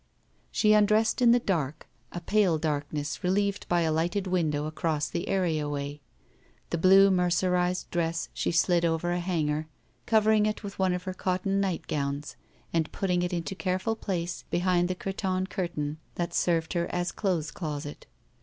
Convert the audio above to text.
She tmdressed in the dark — a pale darkness relieved by a lighted window across the areaway. The blue mercerized dress she sUd over a hanger, covering it with one of her cotton nightgowns and putting it into careful place behind the cretonne curtain that served her as clothes closet.